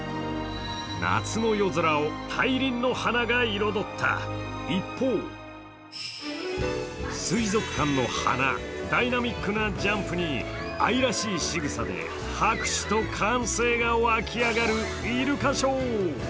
夏の夜空を大輪の花が彩った一方水族館の華、ダイナミックなジャンプに愛らしいしぐさで拍手と歓声が沸き上がるイルカショー。